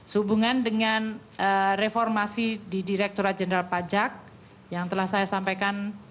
sehubungan dengan reformasi di direkturat jenderal pajak yang telah saya sampaikan